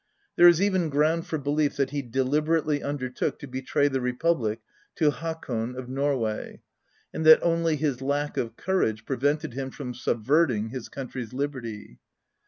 There is even ground for belief that he deliberately undertook to betray the republic to Hakon of Norway, and that only his lack of courage prevented him from subverting his country's lib erty.